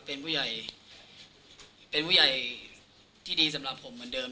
เป็นผู้ใหญ่เป็นผู้ใหญ่ที่ดีสำหรับผมเหมือนเดิม